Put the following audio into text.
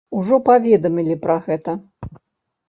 Ужо паведамілі пра гэта.